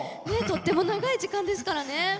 ねっとっても長い時間ですからね。